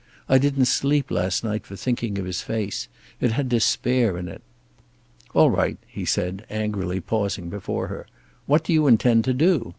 I didn't sleep last night for thinking of his face. It had despair in it." "All right," he said, angrily pausing before her. "What do you intend to do?